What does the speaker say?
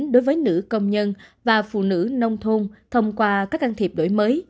đối với nữ công nhân và phụ nữ nông thôn thông qua các can thiệp đổi mới